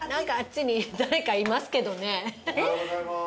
おはようございます。